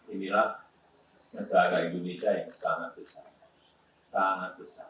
inilah negara indonesia yang sangat besar